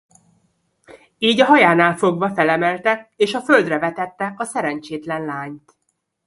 Így a hajánál fogva felemelte és a földre vetette a szerencsétlen lányt.